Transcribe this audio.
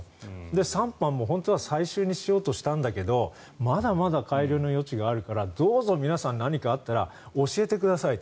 ３版も本当は最終にしようと思ったんだけどまだまだ改良の余地があるからどうぞ皆さん、何かあったら教えてくださいと。